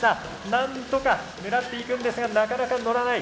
なんとか狙っていくんですがなかなか乗らない。